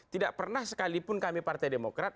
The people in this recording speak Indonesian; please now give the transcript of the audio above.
tidak pernah sekalipun kami partai demokrat